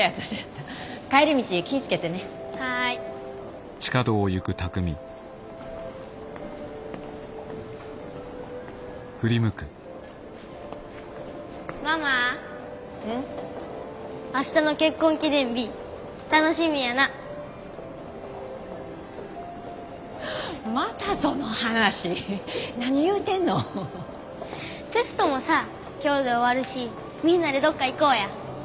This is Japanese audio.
テストもさ今日で終わるしみんなでどっか行こうや。